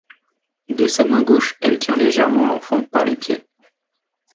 De sa main gauche elle tient légèrement l'Enfant par les pieds.